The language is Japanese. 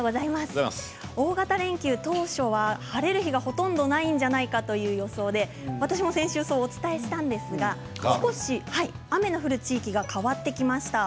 大型連休当初は晴れる日がほとんどないんじゃないかという予想で私も先週そうお伝えしたんですが少し雨の降る地域変わってきました。